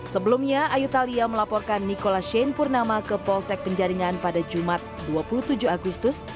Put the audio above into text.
sebelumnya ayu thalia melaporkan nikola shane purnama ke polsek penjaringan pada jumat dua puluh tujuh agustus